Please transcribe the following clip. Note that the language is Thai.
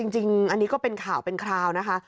จริงอันนี้ก็เป็นข่าวเป็นคราวนะคะ